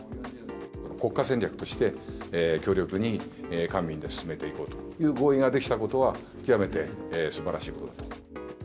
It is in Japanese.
国家戦略として、強力に官民で進めていこうという合意ができたことは、極めてすばらしいことだと。